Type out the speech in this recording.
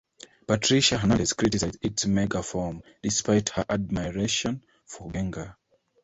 Patricia Hernandez criticized its Mega form, despite her admiration for Gengar.